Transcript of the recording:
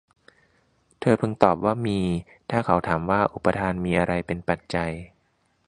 เธอพึงตอบว่า มี ถ้าเขาถามว่า อุปาทานมีอะไรเป็นปัจจัย